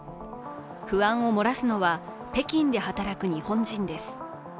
不安を漏らすのは、北京で働く日本人です。